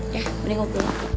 ya mending kamu pulang